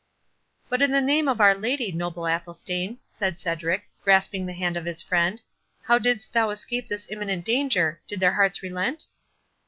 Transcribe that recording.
"But, in the name of Our Lady, noble Athelstane," said Cedric, grasping the hand of his friend, "how didst thou escape this imminent danger—did their hearts relent?"